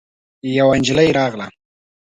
يوه نجلۍ راغله.